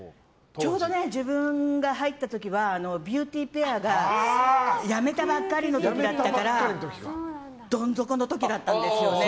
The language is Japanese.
ちょうど自分が入った時はビューティーペアがやめたばっかりの時だったからどん底の時だったんですよね。